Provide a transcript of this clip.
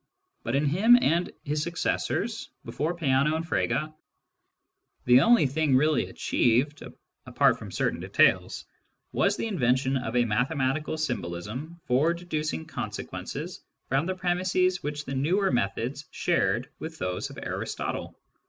But in him and his successors, before Peano and Frege, the only thing really achieved, apart from certain details, was the in vention of a mathematical symbolism for deducing consequences from the premisses which the newer methods shared with those of Aristotle.